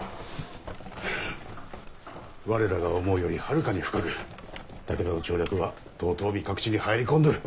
はあ我らが思うよりはるかに深く武田の調略は遠江各地に入り込んどる。